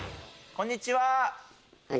こんにちは。